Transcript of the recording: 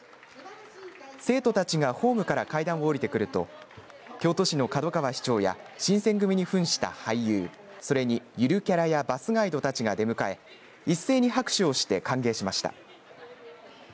生徒たちがホームから階段を降りてくると京都市の門川市長や新選組にふんした俳優それにゆるキャラやバスガイドたちが出迎え一斉に拍手をして歓迎しました。